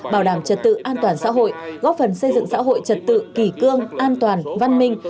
bảo đảm trật tự an toàn xã hội góp phần xây dựng xã hội trật tự kỳ cương an toàn văn minh